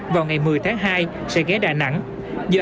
vào ngày một mươi tháng hai tại ghé đà nẵng